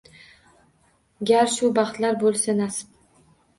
Gar shu baxtlar bo’lsa nasib